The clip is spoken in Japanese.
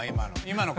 今の。